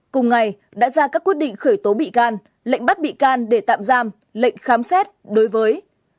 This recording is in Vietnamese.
cùng ngày đã ra các quyết định khởi tố bị can lệnh bắt bị can để tạm giam lệnh khám xét đối với